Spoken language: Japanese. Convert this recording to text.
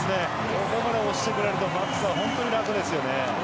ここまで押してくれるとバックスは本当に楽ですよね。